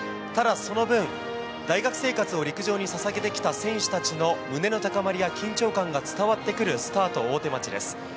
ただその分、大学生活を陸上にささげてきた選手たちの胸の高まりや緊張感が伝わってくるスタート、大手町です。